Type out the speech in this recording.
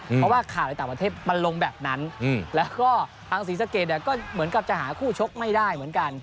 เพราะว่าข่าวในต่างประเทศมันลงแบบนั้นแล้วก็ทางศรีสะเกดเนี่ยก็เหมือนกับจะหาคู่ชกไม่ได้เหมือนกัน